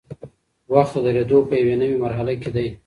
وخت د درېدو په یوې نوي مرحله کې دی.